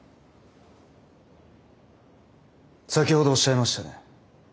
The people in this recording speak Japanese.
先ほどおっしゃいましたね？